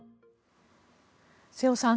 瀬尾さん